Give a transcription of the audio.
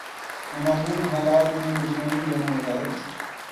نا معلوم حالات میں مطمئن رہتا ہوں